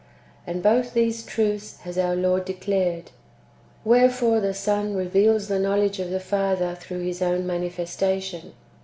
And both these truths has our Lord declared. Wherefore the Son reveals the knowledge of the Father through His own manifestation.